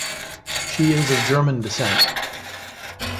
She is of German descent.